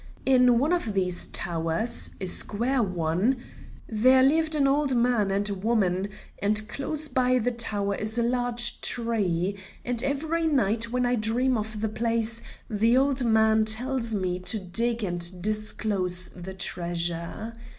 In one of these towers, a square one, there live an old man and woman, and close by the tower is a large tree, and every night when I dream of the place, the old man tells me to dig and disclose the treasure.